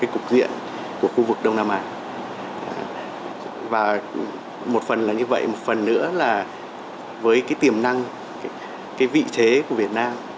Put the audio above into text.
cục diện của khu vực đông nam á và một phần là như vậy một phần nữa là với tiềm năng vị trí của việt nam